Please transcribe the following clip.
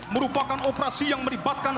merupakan operasi yang meribatkan